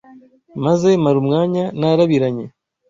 maze mara umwanya narabiranye